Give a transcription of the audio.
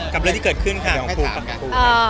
กับเรื่องที่เกิดขึ้นค่ะ